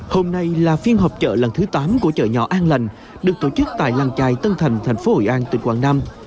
hôm nay là phiên họp chợ lần thứ tám của chợ nhỏ an lành được tổ chức tại làng trài tân thành thành phố hội an tỉnh quảng nam